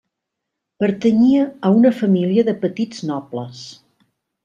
Pertanyia a una família de petits nobles.